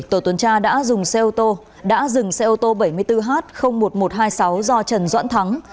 tổ tuần tra đã dừng xe ô tô bảy mươi bốn h một nghìn một trăm hai mươi sáu do trần doãn thắng